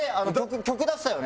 曲出したよね？